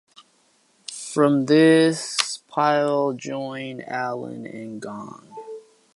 From this, Pyle joined Allen in Gong.